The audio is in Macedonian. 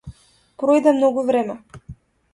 Пројде многу време.